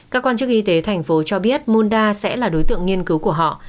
các quan chức y tế thành phố cho biết monda sẽ là đối tượng nghiên cứu của họ